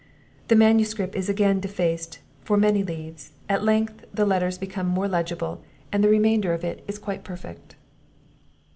[The manuscript is again defaced for many leaves; at length the letters become more legible, and the remainder of it is quite perfect.